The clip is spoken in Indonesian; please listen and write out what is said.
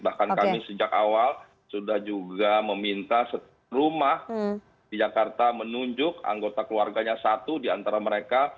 bahkan kami sejak awal sudah juga meminta rumah di jakarta menunjuk anggota keluarganya satu di antara mereka